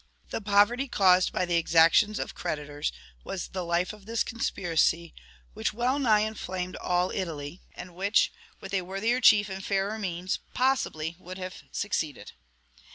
The poverty caused by the exactions of creditors was the life of this conspiracy which well nigh inflamed all Italy, and which, with a worthier chief and fairer means, possibly would have succeeded.